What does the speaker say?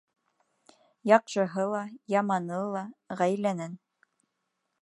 Яҡшыһы ла, яманы ла — ғаиләнән